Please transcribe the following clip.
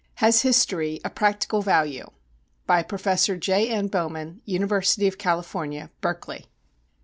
Has History a Practical Value? BY PROFESSOR J. N. BOWMAN, UNIVERSITY OF CALIFORNIA, BERKELEY.